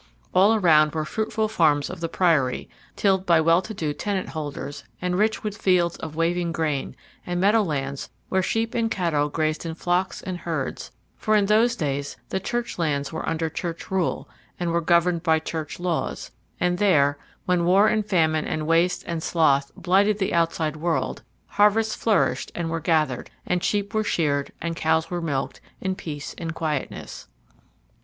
All around were the fruitful farms of the priory, tilled by well to do tenant holders, and rich with fields of waving grain, and meadow lands where sheep and cattle grazed in flocks and herds; for in those days the church lands were under church rule, and were governed by church laws, and there, when war and famine and waste and sloth blighted the outside world, harvests flourished and were gathered, and sheep were sheared and cows were milked in peace and quietness.